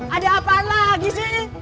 ada apaan lagi sih